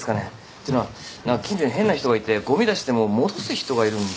てのは何か近所に変な人がいてごみ出しても戻す人がいるんすよ。